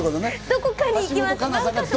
どこかに行きます。